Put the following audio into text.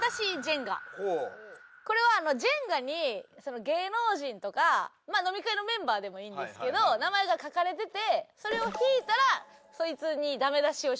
これはジェンガに芸能人とか飲み会のメンバーでもいいんですけど名前が書かれててそれを引いたらそいつにダメ出しをしなきゃいけないっていう。